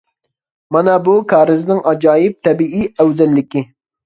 مانا بۇ كارىزنىڭ ئاجايىپ تەبىئىي ئەۋزەللىكى.